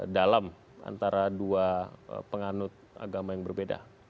dalam antara dua penganut agama yang berbeda